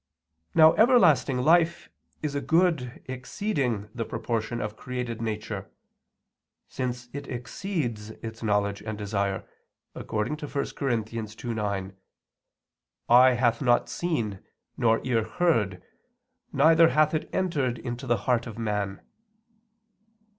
Now everlasting life is a good exceeding the proportion of created nature; since it exceeds its knowledge and desire, according to 1 Cor. 2:9: "Eye hath not seen, nor ear heard, neither hath it entered into the heart of man."